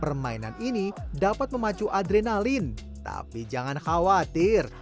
permainan ini dapat memacu adrenalin tapi jangan khawatir